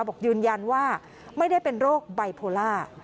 บอกยืนยันว่าไม่ได้เป็นโรคไบโพล่า